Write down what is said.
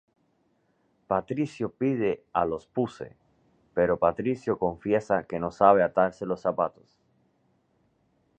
Patricio pide a los puse, pero Patricio confiesa que no sabe atarse los zapatos.